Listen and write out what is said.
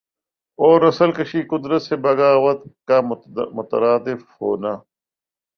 اور نسل کشی قدرت سے بغاوت کا مترادف ہونا